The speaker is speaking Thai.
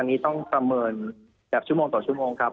อันนี้ต้องประเมินแบบชั่วโมงต่อชั่วโมงครับ